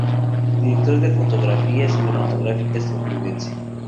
Director de fotografía cinematográfica estadounidense.